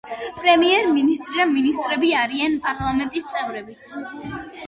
პრემიერ-მინისტრი და მინისტრები არიან პარლამენტის წევრებიც.